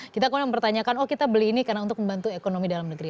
kita kemudian mempertanyakan oh kita beli ini karena untuk membantu ekonomi dalam negeri